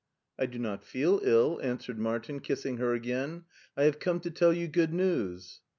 " I do not feel ill,'* answered Martin, kissing her again. " I have come to tell you good news."